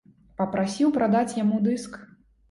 Папрасіў прадаць яму дыск.